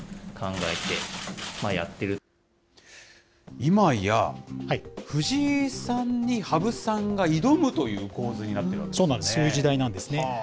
いまや藤井さんに羽生さんが挑むという構図になってるわけでそうなんです、そういう時代なんですね。